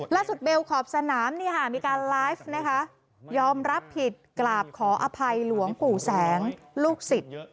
เบลขอบสนามมีการไลฟ์นะคะยอมรับผิดกราบขออภัยหลวงปู่แสงลูกศิษย์